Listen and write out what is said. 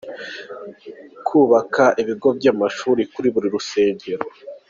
Kubaka ibigo by’amashuri kuri buri rusengero.